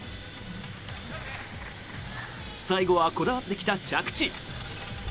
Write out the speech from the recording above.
最後はこだわってきた着地。